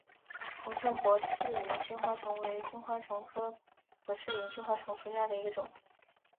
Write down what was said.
红胸薄翅萤金花虫为金花虫科薄翅萤金花虫属下的一个种。